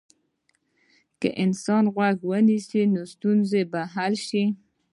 که انسان غوږ ونیسي، نو ستونزه به حل شي.